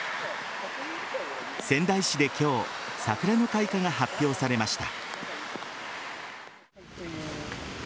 仙台市で今日桜の開花が発表されました。